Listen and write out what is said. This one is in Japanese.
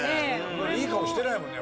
いい顔してないもんね